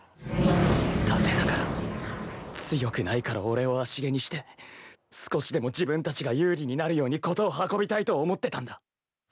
盾だから強くないから俺を足蹴にして少しでも自分たちが有利になるように事を運びたいと思ってたんだ。